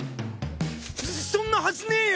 そそんなはずねえよ！